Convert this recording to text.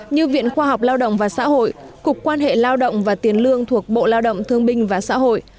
như viện khoa học lao động và xã hội cục quan hệ lao động và tiền lương thuộc bộ lao động thương binh và xã hội